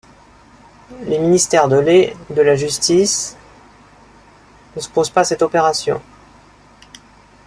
Les ministères de l' et de la Justice ne s'opposent à cette opération.